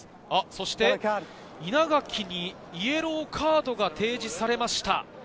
そして稲垣にイエローカードが提示されました。